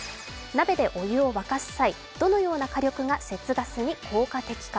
鍋でお湯を沸かす際どのような火力が節ガスに効果的か。